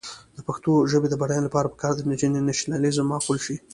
د پښتو ژبې د بډاینې لپاره پکار ده چې نیشنلېزم معقول شي.